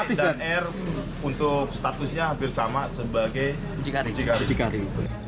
d dan r untuk statusnya hampir sama sebagai muncikari